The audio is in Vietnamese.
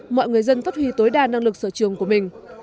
mọi người dân phát huy tối đa năng lực sở trường của mình